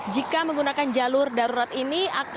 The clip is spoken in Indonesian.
jika menggunakan jalur darurat ini